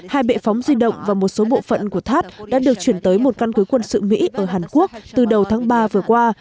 hai bệ phóng di động và một số bộ phận của tháp đã được chuyển tới một căn cứ quân sự mỹ ở hàn quốc từ đầu tháng ba vừa qua